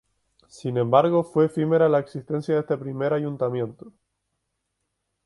Sin embargo, fue efímera la existencia de este primer ayuntamiento.